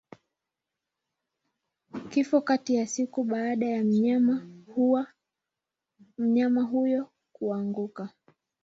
Kifo kati ya siku baada ya mnyama huyo kuanguka